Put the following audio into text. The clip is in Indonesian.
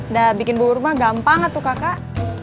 udah bikin bubur mah gampang atuh kakak